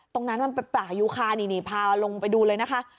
ตรงนั้นมันประอยุคานินิพาลลงไปดูเลยนะคะ